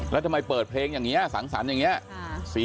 แล้วทำไมเปิดเพลงอย่างนี้สังสรรค์อย่างนี้